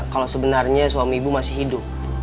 kalau sebenarnya suami ibu masih hidup